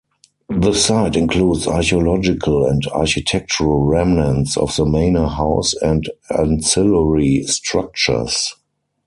The site includes archaeological and architectural remnants of the manor house and ancillary structures.